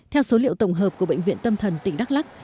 theo số liệu tổng hợp của bệnh viện tâm thần tỉnh đắk lắc